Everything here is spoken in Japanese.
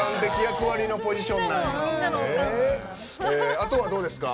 あとは、どうですか？